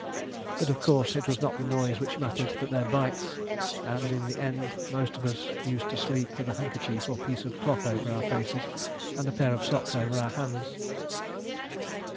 But of course it was not the noise which mattered, but their bites; and in the end most of us used to sleep with a handkerchief or piece of cloth over our faces, and a pair of socks over our hands.